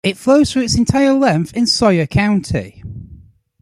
It flows for its entire length in Sawyer County.